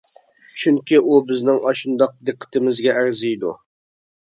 چۈنكى ئۇ بىزنىڭ ئاشۇنداق دىققىتىمىزگە ئەرزىيدۇ.